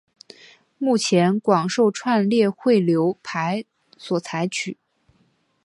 目前广受串列汇流排所采用。